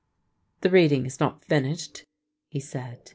" The reading is not finished," he said.